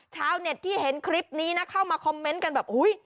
ชาวเน็ตที่เห็นคลิปนี้นะเข้ามาคอมเมนต์กันแบบอุ้ย